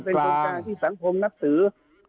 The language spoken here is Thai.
เป็นคนกลางที่สังคมนับสือ